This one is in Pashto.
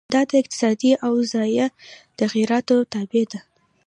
دا د اقتصادي اوضاع د تغیراتو تابع ده.